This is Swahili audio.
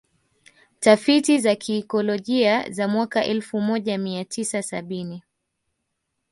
Tafiti za kiikolojia za mwaka elfu moja mia tisa sabini